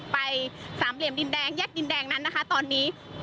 ไปสามเหลี่ยมดินแดงแยกดินแดงนั้นนะคะตอนนี้